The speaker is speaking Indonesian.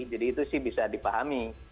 jadi itu sih bisa dipahami